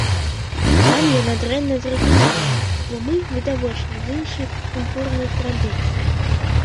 Нам яна дрэнна зразумелая, бо мы, відавочна, з іншай культурнай традыцыі.